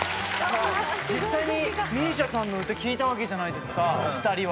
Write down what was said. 実際にＭＩＳＩＡさんの歌聴いたわけじゃないですかお２人は。